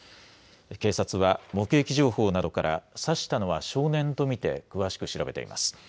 警察は目撃情報などから刺したのは少年と見て詳しく調べています。